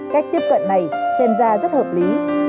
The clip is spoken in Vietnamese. cách tiếp cận này xem ra rất hợp lý